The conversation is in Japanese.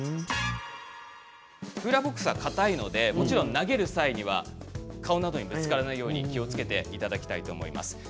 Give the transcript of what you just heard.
クーラーボックスはかたいので、もちろん投げる際には顔などにぶつからないように気をつけていただきたいと思います。